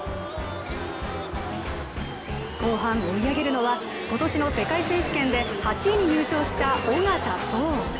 後半、追い上げるのは今年の世界選手権で８位に入賞した小方颯。